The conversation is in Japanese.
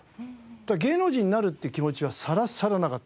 ただ芸能人になるって気持ちはさらさらなかったです。